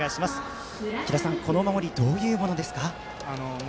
きださん、このお守りどういうものですか。